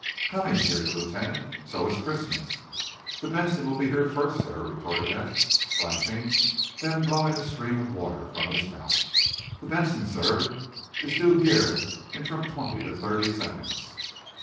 "Coming?" jeered the lieutenant "So is Christmas!" "The 'Benson' will be here first, sir," retorted Eph, splashing, then blowing a stream of water from his mouth. "The 'Benson,' sir, is due here in from twenty to thirty seconds!"